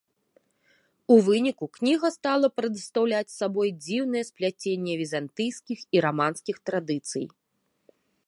У выніку кніга стала прадстаўляць сабой дзіўнае спляценне візантыйскіх і раманскіх традыцый.